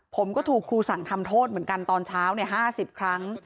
ผมก็ถูกครูสั่งทำโทษเหมือนกันตอนเช้า๕๐ครั้ง